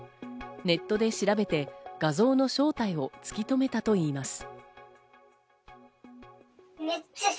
ネットで調べて画像の正体を突きとめたといいます。